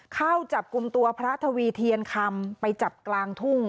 เข้าจับกลุ่มตัวพระทวีเทียนคำไปจับกลางทุ่ง